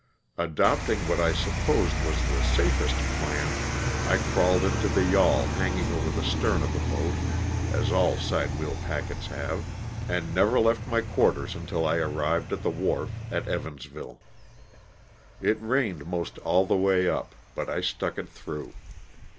Adopting what I supposed was the safest plan, I crawled into the yawl hanging over the stern of the boat (as all sidewheel packets have) and never left my quarters until I arrived at the wharf at Evansville. It rained most all the way up, but I stuck it through.